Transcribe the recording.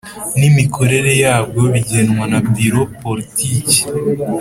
N imikorere yabwo bigenwa na biro politiki